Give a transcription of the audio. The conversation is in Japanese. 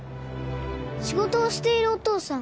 仕事をしているお父さん